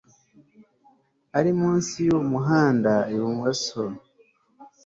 Ari munsi yuwo muhanda ibumoso